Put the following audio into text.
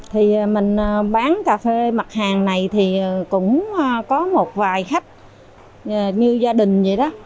thì mình bán cà phê mặt hàng này thì cũng có một vài khách như gia đình vậy đó